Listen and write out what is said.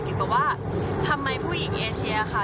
บอกว่าทำไมผู้หญิงเอเชียค่ะ